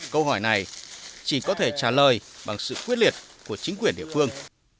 câu hỏi này chỉ có thể trả lời bằng sự quyết liệt của chính quyền địa phương